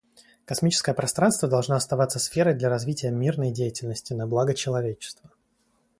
Космическое пространство должно оставаться сферой для развития мирной деятельности на благо человечества.